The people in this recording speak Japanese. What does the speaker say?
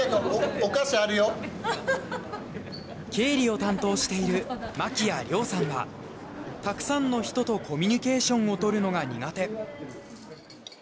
経理を担当している真喜屋亮さんはたくさんの人とコミュニケーションを取るのが苦手。